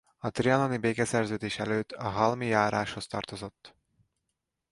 A trianoni békeszerződés előtt a Halmi járáshoz tartozott.